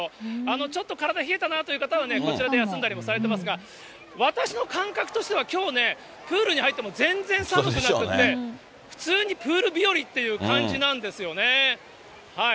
ちょっと体冷えたなという方はね、こちらで休んだりもされてますが、私の感覚としては、きょうね、プールに入っても全然寒くなくって、普通にプール日和っていう感じなんですよね。